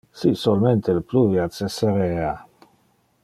Si solmente le pluvia cessarea!